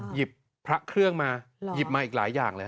หยิบพระเครื่องมาหยิบมาอีกหลายอย่างเลย